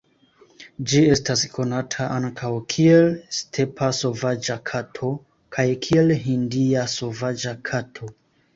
Ĝi estas konata ankaŭ kiel "stepa sovaĝa kato" kaj kiel "hindia sovaĝa kato".